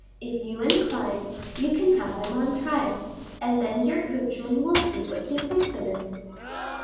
If you incline, you can have him on trial, and then your coachman will see what he thinks of him."